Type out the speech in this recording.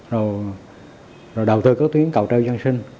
rồi đầu tư có tuyến cầu treo dân sinh